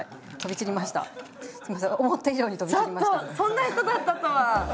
ちょっとそんな人だったとは。